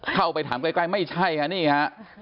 เข้าไปถามใกล้ไม่ใช่ฮะนี่ฮะ